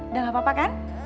udah gak apa apa kan